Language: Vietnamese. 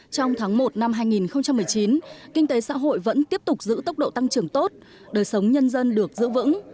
trong tháng một năm hai nghìn một mươi chín kinh tế xã hội vẫn tiếp tục giữ tốc độ tăng trưởng tốt đời sống nhân dân được giữ vững